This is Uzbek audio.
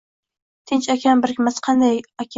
Tinch okean birikmasi qanday okean